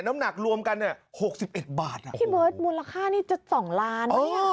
น้ำหนักรวมกันเนี้ยหกสิบเอ็ดบาทที่เบิร์ดมูลค่านี่จะสองล้าน